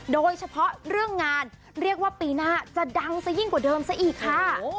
โดยเฉพาะเรื่องงานเรียกว่าปีหน้าจะดังซะยิ่งกว่าเดิมซะอีกค่ะ